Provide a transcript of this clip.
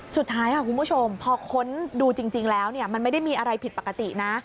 สุดท้ายค่ะคุณผู้ชมพอค้นดูจริงแล้วมันไม่ได้มีอะไรผิดปกตินะ